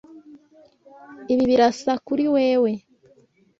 Ibi birasa kuri wewe?